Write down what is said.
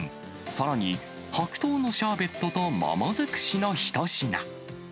さらに白桃のシャーベットと、桃尽くしの一品。